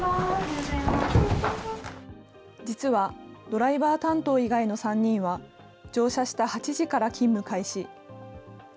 実は、ドライバー担当以外の３人は、乗車した８時から勤務開始。